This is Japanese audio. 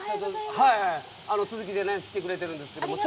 続きで来てくれてるんですけど。